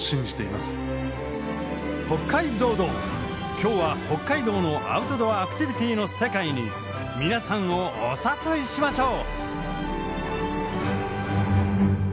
今日は北海道のアウトドアアクティビティーの世界に皆さんをお誘いしましょう！